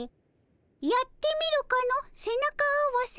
やってみるかの背中合わせ。